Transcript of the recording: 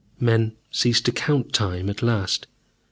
Men ceased to count time at last.